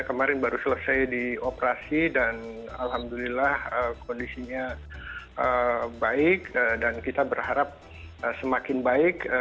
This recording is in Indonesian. kemarin baru selesai di operasi dan alhamdulillah kondisinya baik dan kita berharap semakin baik